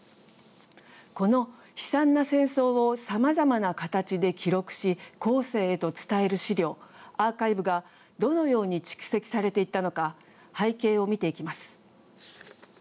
この悲惨な戦争をさまざまな形で記録し後世へと伝える資料アーカイブがどのように蓄積されていったのか背景を見ていきます。